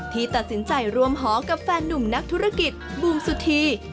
ที่ตัดสินใจรวมหอกับแฟนนุ่มนักธุรกิจบูมสุธี